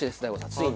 ついに。